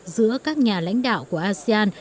giữa các nhà lãnh đạo của asean